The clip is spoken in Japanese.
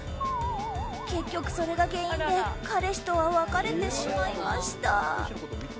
結局、それが原因で彼氏とは別れてしまいました。